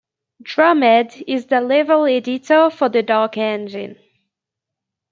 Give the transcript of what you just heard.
DromEd is the level editor for the Dark Engine.